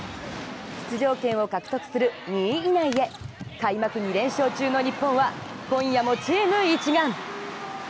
出場権を獲得する２位以内へ、開幕２連勝中の日本は今夜もチーム一丸！